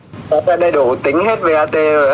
có đầy đủ tính hết vat rồi á